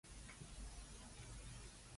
有冇巴打知邊到有得訂成套